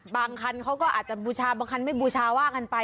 บางคันเขาก็อาจจะบูชาบางคันไม่บูชาว่ากันไป